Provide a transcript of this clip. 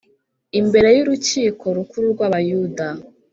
imbere y’Urukiko Rukuru rw’Abayuda